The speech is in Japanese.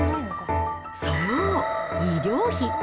そう、医療費。